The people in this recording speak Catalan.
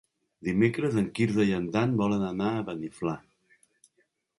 Dimecres en Quirze i en Dan volen anar a Beniflà.